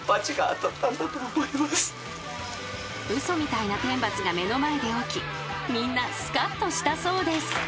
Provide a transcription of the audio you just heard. ［嘘みたいな天罰が目の前で起きみんなスカッとしたそうです］